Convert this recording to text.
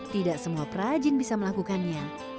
tidak semua perajin bisa melakukannya